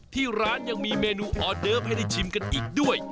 ที่ร้านยังมีเมนูออเดิฟให้ได้ชิมกันอีกด้วย